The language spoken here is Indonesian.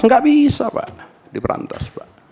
tidak bisa pak diberantas